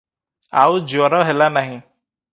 ଆଉ ଜ୍ୱର ହେଲା ନାହିଁ ।